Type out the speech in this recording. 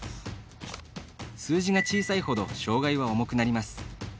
数字が小さいほど障がいは重くなります。